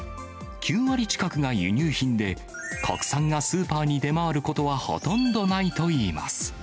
９割近くが輸入品で、国産がスーパーに出回ることはほとんどないといいます。